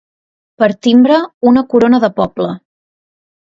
Per timbre, una corona de poble.